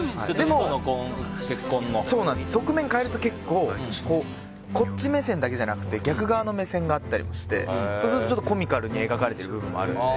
嘘の結婚の？でも側面変えるとこっち目線だけじゃなくて逆側の目線があったりもしてそうするとコミカルに描かれている部分もあるので。